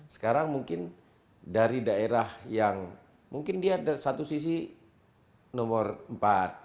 sekarang mungkin dari daerah yang mungkin dia satu sisi nomor empat